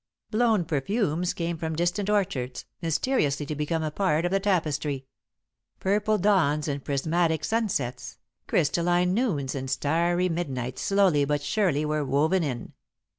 Blown perfumes came from distant orchards, mysteriously to become a part of the tapestry. Purple dawns and prismatic sunsets, crystalline noons and starry midnights slowly but surely were woven in.